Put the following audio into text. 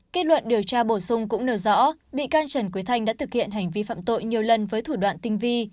kết luận điều tra bổ sung cũng nêu rõ bị can trần quý thanh đã thực hiện hành vi phạm tội nhiều lần với thủ đoạn tinh vi